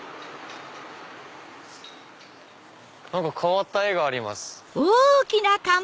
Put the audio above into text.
何か変わった絵があります。